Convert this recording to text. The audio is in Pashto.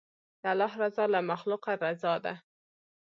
د الله رضا له مخلوقه رضا ده.